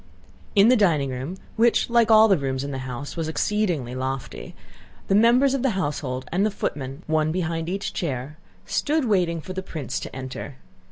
In the dining room, which like all the rooms in the house was exceedingly lofty, the members of the household and the footmen—one behind each chair—stood waiting for the prince to enter.